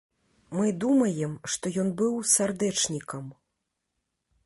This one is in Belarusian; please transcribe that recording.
Мы думаем, што ён быў сардэчнікам.